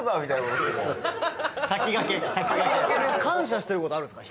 藤ヶ谷：感謝してる事はあるんですか？